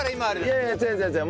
いやいや違う違う違う。